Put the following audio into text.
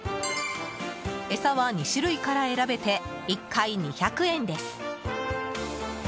餌は２種類から選べて１回２００円です。